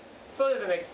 そうですね。